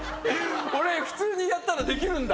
俺普通にやったらできるんだ。